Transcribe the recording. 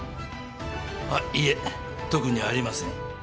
あっいえ特にありません。